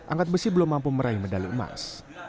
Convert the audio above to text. angkat besi belum mampu meraih medali emas